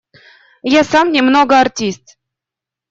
Я сам немного артист.